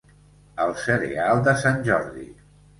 El cereal de sant Jordi.